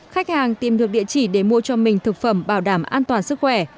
khách hàng tìm được địa chỉ để mua cho mình thực phẩm bảo đảm an toàn sức khỏe